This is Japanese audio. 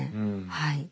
はい。